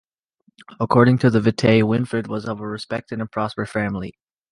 According to the "vitae", Winfrid was of a respected and prosperous family.